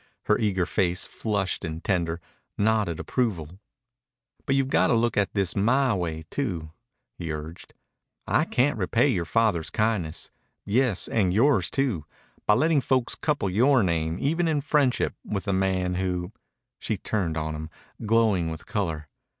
Her eager face, flushed and tender, nodded approval. "But you've got to look at this my way too," he urged. "I can't repay your father's kindness yes, and yours too by letting folks couple your name, even in friendship, with a man who " She turned on him, glowing with color.